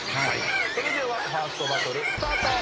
それではファーストバトルスタート！